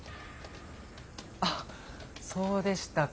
ああそうでしたか。